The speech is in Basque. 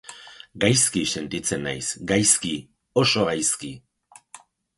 Gaizki sentitzen naiz, gaizki, oso gaizki.